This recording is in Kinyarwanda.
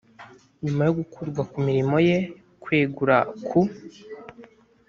nyuma yo gukurwa ku mirimo ye kwegura ku